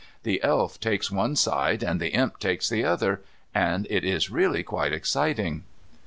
The Elf takes one side and the Imp takes the other, and it is really quite exciting.